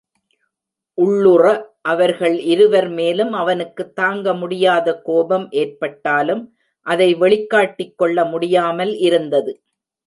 உள்ளுற அவர்கள் இருவர் மேலும் அவனுக்குத் தாங்க முடியாத கோபம் ஏற்பட்டாலும் அதை வெளிக்காட்டிக் கொள்ள முடியாமல் இருந்தது.